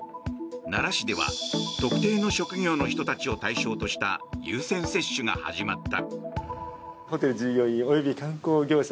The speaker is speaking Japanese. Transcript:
奈良市では特定の職業の人たちを対象とした優先接種が始まった。